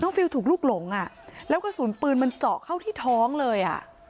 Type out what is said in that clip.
ฟิลถูกลูกหลงอ่ะแล้วกระสุนปืนมันเจาะเข้าที่ท้องเลยอ่ะ